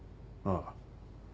ああ。